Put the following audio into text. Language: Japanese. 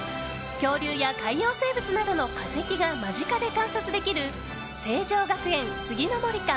恐竜や海洋生物などの化石が間近で観察できる成城学園杉の森館